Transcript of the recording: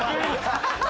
ハハハハ！